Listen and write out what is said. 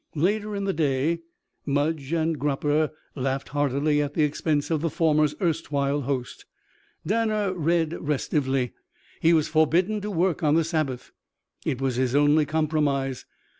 Later in the day Mudge and Gropper laughed heartily at the expense of the former's erstwhile host. Danner read restively. He was forbidden to work on the Sabbath. It was his only compromise.